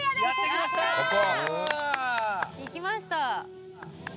「ここ」「行きました」